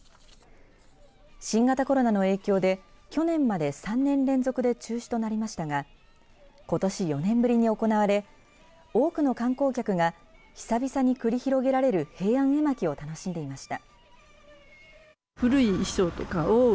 新型コロナの影響で去年まで３年連続で中止となりましたがことし４年ぶりに行われ多くの観光客が久々に繰り広げられる平安絵巻を楽しんでいました。